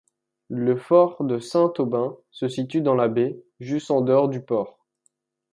Le fort de Saint-Aubin se situe dans la baie, juste en dehors du port.